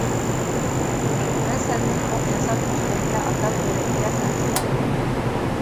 مەن سەندىن ئوق ياساپ دۈشمەنگە ئاتاپ، يۈرەككە سانجىلاي!